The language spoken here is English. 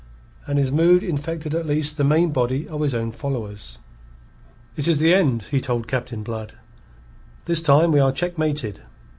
And his mood infected at least the main body of his own followers. "It is the end," he told Captain Blood. "This time we are checkmated."